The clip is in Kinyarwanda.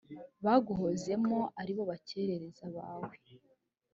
baguhozemo ari bo bari aberekeza bawe